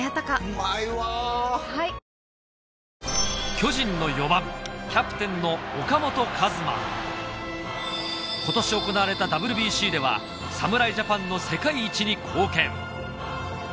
巨人の４番・キャプテンの今年行われたＷＢＣでは侍ジャパンの世界一に貢献